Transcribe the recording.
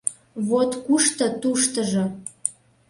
Вот кушто туштыжо.